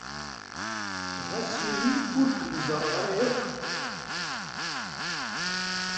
Ɣas ini ur kem-ẓerreɣ ara yakk.